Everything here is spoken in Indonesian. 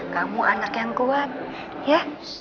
kamu anak yang kuat ya